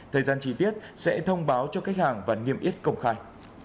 thời gian chi tiết sẽ thông báo cho khách hàng và nghiêm yết công khai